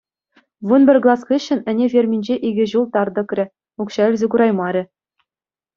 Вун пӗр класс хыҫҫӑн ӗне ферминче икӗ ҫул тар тӑкрӗ, укҫа илсе кураймарӗ.